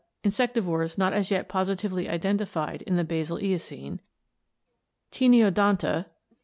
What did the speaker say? Insectivores not as yet positively identified in the basal Eocene Taeniodonta.